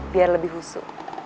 biar lebih husu